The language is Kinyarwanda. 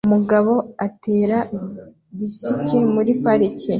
Umugabo atera disiki muri parike